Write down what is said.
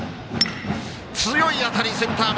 強い当たりセンター前。